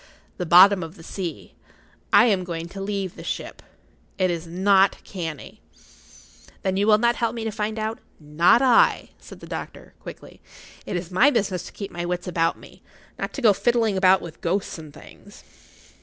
"The bottom of the sea. I am going to leave the ship. It is not canny." "Then you will not help me to find out——" "Not I," said the doctor, quickly. "It is my business to keep my wits about me—not to go fiddling about with ghosts and things."